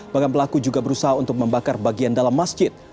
bahkan pelaku juga berusaha untuk membakar bagian dalam masjid